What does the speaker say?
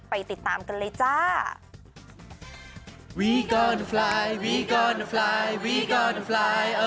ติดตามกันเลยจ้า